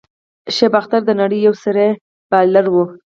شعیب اختر د نړۍ یو سريع بالر وو.